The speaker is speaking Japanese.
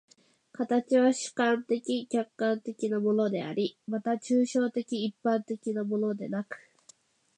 形は主観的・客観的なものであり、また抽象的一般的なものでなく、